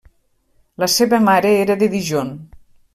La seva mare era de Dijon.